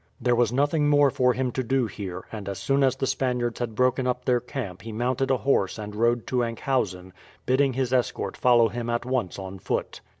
There was nothing more for him to do here, and as soon as the Spaniards had broken up their camp he mounted a horse and rode to Enkhuizen, bidding his escort follow him at once on foot.